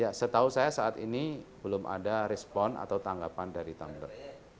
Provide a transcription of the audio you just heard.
ya setahu saya saat ini belum ada respon atau tanggapan dari tumbler